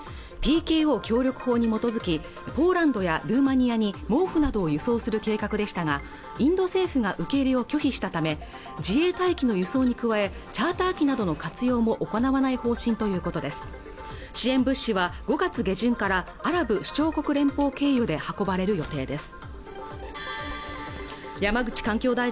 ＰＫＯ協力法に基づきポーランドやルーマニアに毛布などを輸送する計画でしたがインド政府が受け入れを拒否したため自衛隊機の輸送に加えチャーター機などの活用も行わない方針ということです支援物資は５月下旬からアラブ首長国連邦経由で運ばれる予定です